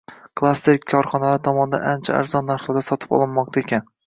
klaster korxonalari tomonidan ancha arzon narxlarda sotib olinmoqda ekan.